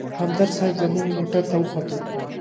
همدرد صیب زموږ موټر ته وختو.